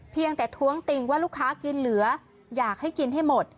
เพียงแต่ท้วงติงว่าลูกค้ากินเหลืออยากให้กินให้หมด